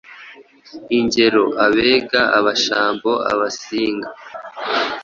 Ingero: Abega, Abashambo, Abasinga,…